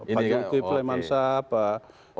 pak zulkifli mansah pak